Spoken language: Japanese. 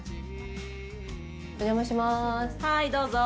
お邪魔します！